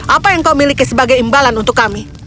apa yang kau miliki sebagai imbalan untuk kami